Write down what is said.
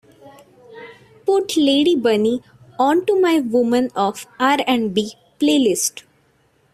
Put lady bunny onto my Women of R&B playlist.